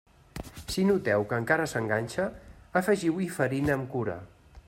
Si noteu que encara s'enganxa, afegiu-hi farina amb cura.